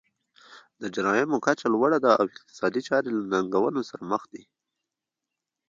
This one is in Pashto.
د جرایمو کچه لوړه ده او اقتصادي چارې له ننګونو سره مخ دي.